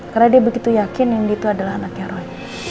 karena dia begitu yakin nindi itu adalah anaknya roy